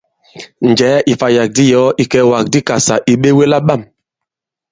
Njɛ̀ɛ ì ìfàyàk di i yɔ̀ɔ ìkɛ̀ɛ̀wàk di i Ikàsà ì ɓewe la bâm!